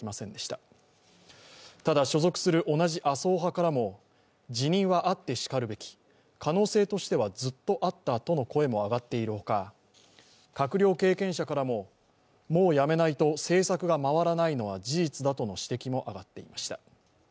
ただ所属する同じ麻生派からも辞任はあってしかるべき可能性としてはずっとあったとの声も上がっているほか閣僚経験者からも、もうやめないと政策が回らないのは事実だとの指摘も上がっていました。